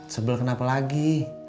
sebel kenapa lagi